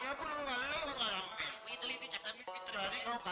jadi kau kan naro puluh